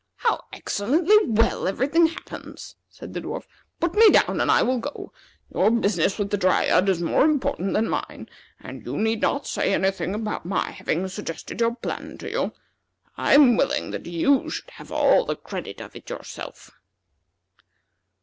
"How excellently well every thing happens!" said the dwarf. "Put me down, and I will go. Your business with the Dryad is more important than mine; and you need not say any thing about my having suggested your plan to you. I am willing that you should have all the credit of it yourself."